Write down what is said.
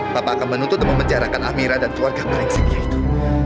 bapak akan menuntut memenjarakan amira dan keluarga berengsinya itu